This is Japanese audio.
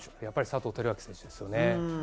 やっぱり佐藤輝明選手ですよね。